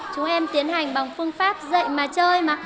chúng em tiến hành bằng phương pháp dạy mà chơi mà